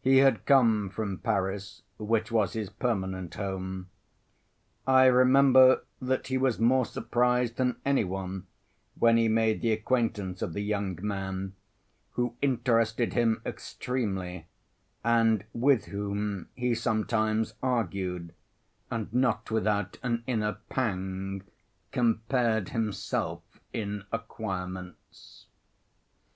He had come from Paris, which was his permanent home. I remember that he was more surprised than any one when he made the acquaintance of the young man, who interested him extremely, and with whom he sometimes argued and not without an inner pang compared himself in acquirements.